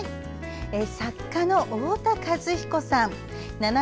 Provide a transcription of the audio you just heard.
作家の太田和彦さん。